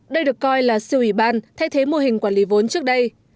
đây được coi là siêu ủy ban thay thế mô hình quản lý vốn trước đây